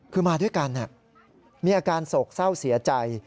คือมาด้วยกันมีอาการโศกเศร้าเสียใจ